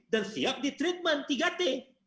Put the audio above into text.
dan siap di treatment tiga t